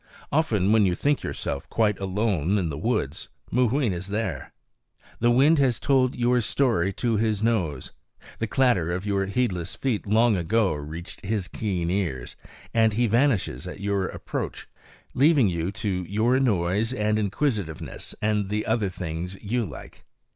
Often, when you think yourself quite alone in the woods, Mooween is there. The wind has told your story to his nose; the clatter of your heedless feet long ago reached his keen ears, and he vanishes at your approach, leaving you to your noise and inquisitiveness and the other things you like.